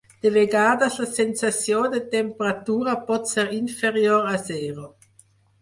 De vegades la sensació de temperatura pot ser inferior a zero.